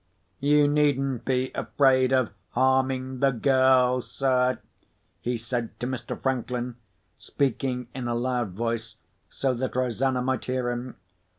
"You needn't be afraid of harming the girl, sir," he said to Mr. Franklin, speaking in a loud voice, so that Rosanna might hear him.